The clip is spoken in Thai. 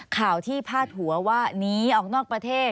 ข่าวที่พาดหัวว่าหนีออกนอกประเทศ